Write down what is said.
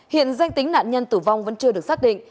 hiện danh tính nạn nhân tử vong vẫn chưa được xác định